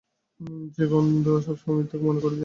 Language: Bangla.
যে-গন্ধ সবসময় মৃত্যুকে মনে করিয়ে দেয়।